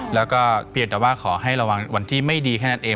แล้วก็เพียงแต่ว่าขอให้ระวังวันที่ไม่ดีแค่นั้นเอง